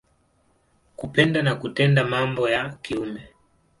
Kupenda na kutenda mambo ya kiume.